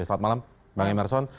selamat malam bang emerson